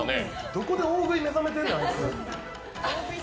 どこで大食い目覚めてんねん、あいつ。